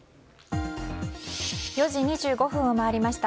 ４時２５分を回りました。